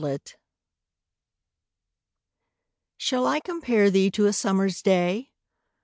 XVIII Shall I compare thee to a summer's day?